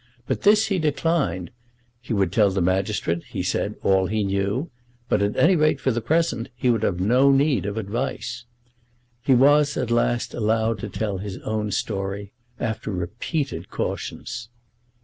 But this he declined. He would tell the magistrate, he said, all he knew, but, at any rate for the present, he would have no need of advice. He was, at last, allowed to tell his own story, after repeated cautions.